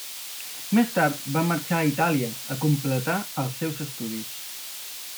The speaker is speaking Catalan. Més tard va marxar a Itàlia a completar els seus estudis.